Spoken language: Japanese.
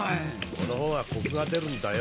このほうがコクが出るんだよ。